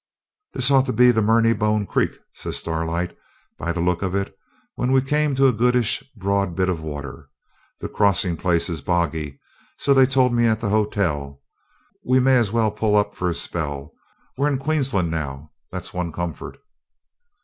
'This ought to be Murrynebone Creek,' says Starlight, 'by the look of it,' when we came to a goodish broad bit of water. 'The crossing place is boggy, so they told me at the hotel. We may as well pull up for a spell. We're in Queensland now, that's one comfort.'